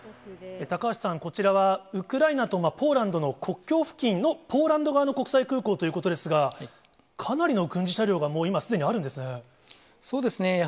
高橋さん、こちらはウクライナとポーランドの国境付近のポーランド側の国際空港ということですが、かなりの軍事車両が今、もうすでにあるんですね。